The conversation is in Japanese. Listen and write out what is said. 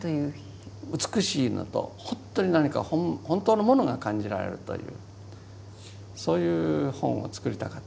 美しいのとほんとに何か本当のものが感じられるというそういう本を作りたかった。